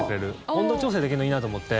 温度調整できるのいいなと思って。